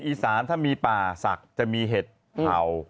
อีสานถ้ามีป่าศักดิ์จะมีเห็ดเผ่า